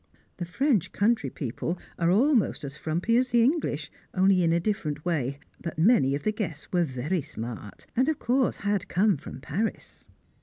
The French country people are almost as frumpy as the English, only in a different way, but many of the guests were very smart, and of course had come from Paris.